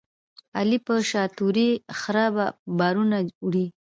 علي په شاتوري خره بارونه وړي.